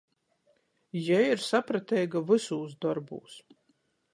Jei ir saprateiga vysūs dorbūs.